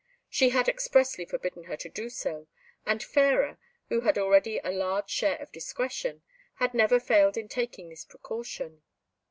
She had expressly forbidden her to do so, and Fairer, who had already a large share of discretion, had never failed in taking this precaution.